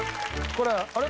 これあれ？